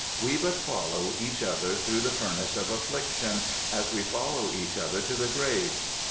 We but follow each other through the furnace of affliction, as we follow each other to the grave.